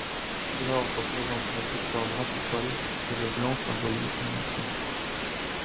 L'or représente notre histoire brassicole et le blanc symbolise l'unité.